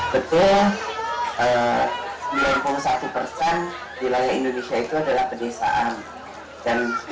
betul sembilan puluh satu persen wilayah indonesia itu adalah pedesaan